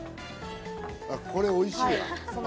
これおいしいわ。